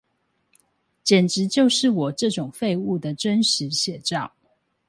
簡直就是我這種廢物的真實寫照